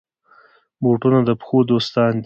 بوټونه د پښو دوستان دي.